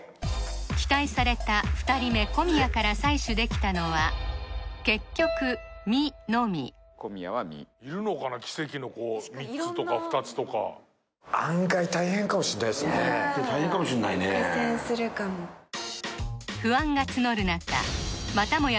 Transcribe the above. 期待された２人目小宮から採取できたのは結局ミのみいるのかな案外大変かもしれないですね大変かもしれないね苦戦するかも不安が募る中またもや